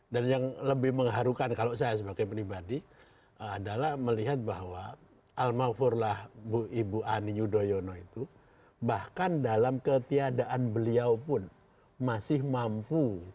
dan yang lebih mengharukan kalau saya sebagai penibadi adalah melihat bahwa al mawfurlah ibu ani yudhoyono itu bahkan dalam ketiadaan beliau pun masih mampu